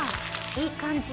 いい感じ。